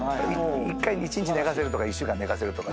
１回１日寝かせるとか１週間寝かせるとか。